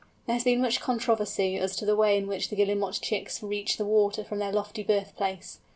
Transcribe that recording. There has been much controversy as to the way in which the Guillemot chicks reach the water from their lofty birthplace.